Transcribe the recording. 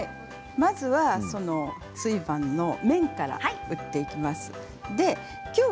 まずはツィヴァンの麺から打っていきます。